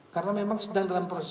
karena memang sedang dalam proses